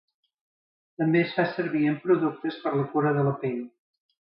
També es fa servir en productes per la cura de la pell.